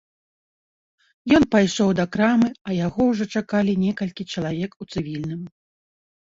Ён пайшоў да крамы, а яго ўжо чакалі некалькі чалавек у цывільным.